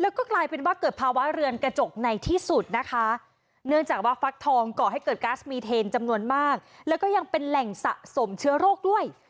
แล้วก็กลายเป็นว่าเกิดภาวะเรือนกระจกในที่สุดนะคะเนื่องจากว่าฟักทองก่อให้เกิดก๊าซมีเทนจำนวนมากแล้วก็ยังเป็นแหล่งสะสมเชื้อโรคด้วย